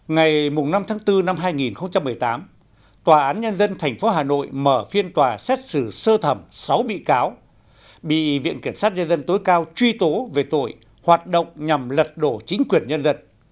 ngày năm tháng bốn năm hai nghìn một mươi tám tòa án nhân dân tp hà nội mở phiên tòa xét xử sơ thẩm sáu bị cáo bị viện kiểm sát nhân dân tối cao truy tố về tội hoạt động nhằm lật đổ chính quyền nhân dân